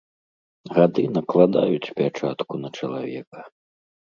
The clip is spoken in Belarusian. Гады накладаюць пячатку на чалавека.